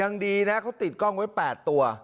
ยังดีนะเขาติดกล้องไว้๘ตัว